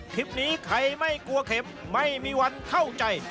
คลิปนี้ใครไม่กลัวเข็มไม่มีวันเข้าใจ